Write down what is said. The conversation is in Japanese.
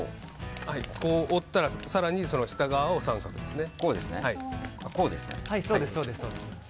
こう折ったら更に、その下側を三角ですね。